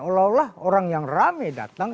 kalau lah orang yang rame datang